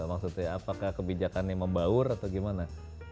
maksudnya apakah kebijakannya membaur atau gimana